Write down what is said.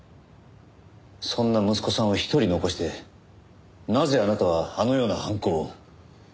そんな息子さんを一人残してなぜあなたはあのような犯行を？